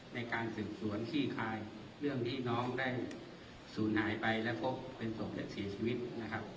ในการสืบสวนขี้คายเรื่องนี้น้องได้ศูนย์หายไปและพบเป็นศพและเสียชีวิตนะครับ